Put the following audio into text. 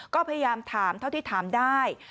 ก็พยายามถามเท่าที่ถามได้